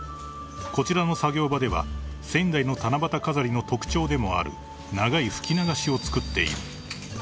［こちらの作業場では仙台の七夕飾りの特徴でもある長い吹き流しを作っている］